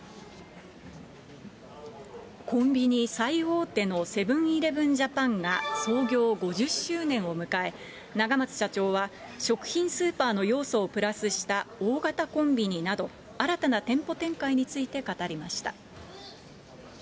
コンビニ最大手のセブン−イレブン・ジャパンが、創業５０周年を迎え、ながまつ社長は食品スーパーの要素をプラスした大型コンビニなど、新たな店舗展開について語りました。